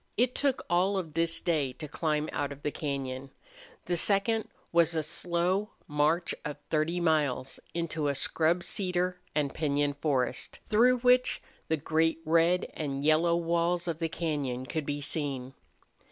It took all of this day to climb out of the cañon. The second was a slow march of thirty miles into a scrub cedar and piñon forest, through which the great red and yellow walls of the cañon could be seen.